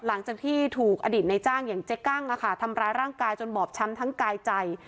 หลังจากที่ถูกอดีตในจ้างอย่างเจ๊กั้งทำร้ายร่างกายจนบอบช้ำทั้งกายใจ